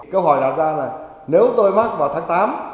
câu hỏi đặt ra là nếu tôi mắc vào tháng tám